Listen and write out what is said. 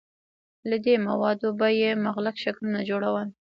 له دې موادو به یې مغلق شکلونه جوړول.